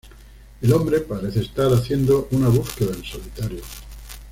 El hombre parece estar haciendo una búsqueda en solitario.